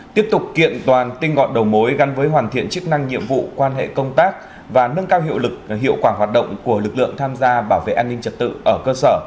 tiếp tục kiện toàn tinh gọn đầu mối gắn với hoàn thiện chức năng nhiệm vụ quan hệ công tác và nâng cao hiệu lực hiệu quả hoạt động của lực lượng tham gia bảo vệ an ninh trật tự ở cơ sở